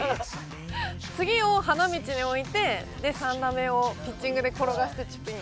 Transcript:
次を花道において３打目をピッチングで転がしてチップイン。